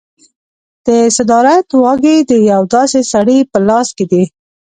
د صدارت واګې د یو داسې سړي په لاس کې دي.